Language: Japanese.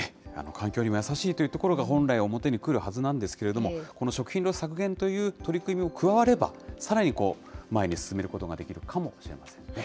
環境にも優しいというところが本来表に来るはずなんですけれども、この食品ロス削減という取り組みも加われば、さらに前に進めることができるかもしれませんね。